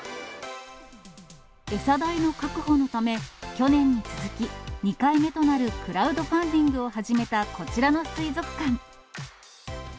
餌代の確保のため、去年に続き２回目となるクラウドファンディングを始めたこちらの水族館。